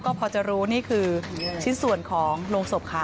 ก็พอจะรู้นี่คือชิ้นส่วนของโรงศพค่ะ